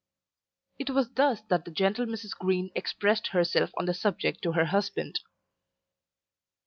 It was thus that the gentle Mrs. Green expressed herself on the subject to her husband.